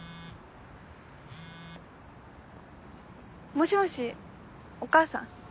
もしもしお母さん？